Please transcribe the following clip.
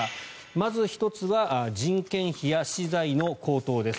まず１つは人件費や資材の高騰です。